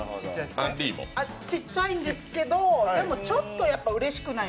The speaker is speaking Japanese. ちっちゃいんですけど、でもちょっとうれしくない？